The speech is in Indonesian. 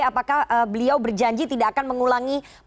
apakah beliau berjanji tidak akan mengulangi